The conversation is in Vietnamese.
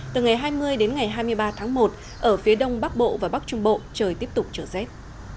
từ ngày hai mươi đến ngày hai mươi ba tháng một ở phía đông bắc bộ và bắc trung bộ trời tiếp tục trở rét